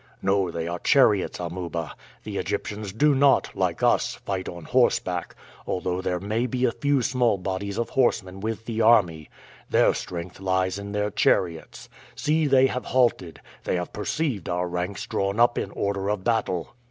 "No, they are chariots, Amuba. The Egyptians do not, like us, fight on horseback, although there may be a few small bodies of horsemen with the army; their strength lies in their chariots. See, they have halted; they have perceived our ranks drawn up in order of battle."